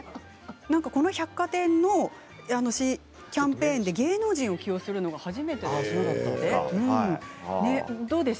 この百貨店のキャンペーンで芸能人を起用するのは初めてなんだそうです。